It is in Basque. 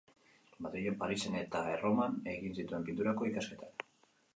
Madrilen, Parisen eta Erroman egin zituen Pinturako ikasketak.